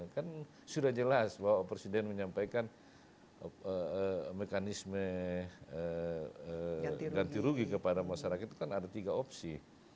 kan sudah jelas bahwa presiden menyampaikan mekanisme ganti rugi kepada masyarakat itu kan ada tiga opsi